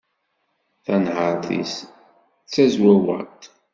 Tanhert-is d tazwawaṭ.